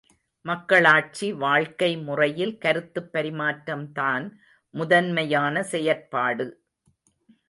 மக்களாட்சி வாழ்க்கை முறையில் கருத்துப் பரிமாற்றம் தான் முதன்மையான செயற்பாடு!